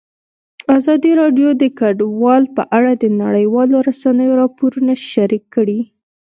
ازادي راډیو د کډوال په اړه د نړیوالو رسنیو راپورونه شریک کړي.